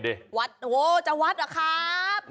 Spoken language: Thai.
วัดโอ้จะวัดอ่ะครับ